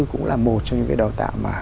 cũng là một trong những cái đào tạo mà